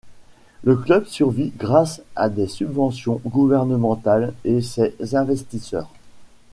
Le club survit grâce à des subventions gouvernementales et ses investisseurs.